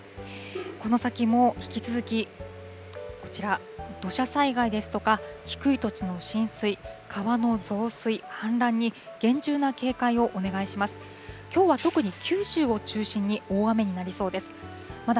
この先も引き続きこちら、土砂災害ですとか低い土地の浸水、川の増水、氾濫に厳重な警戒をお願いします。